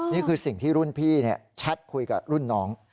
นี่คือสิ่งที่รุ่นพี่แชทคุยกับรุ่นน้อง